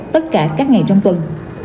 tất cả các ngày trong tuần